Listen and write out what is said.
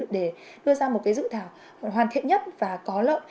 để đưa ra một cái dự thảo hoàn thiện nhất và có lợi